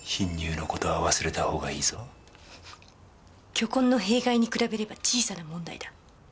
巨根の弊害に比べれば小さな問題だ。